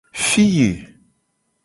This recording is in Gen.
Fiye.